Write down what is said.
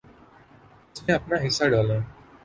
اس میں اپنا حصہ ڈالیں۔